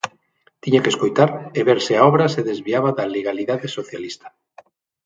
Tiña que escoitar e ver se a obra se desviaba da legalidade socialista.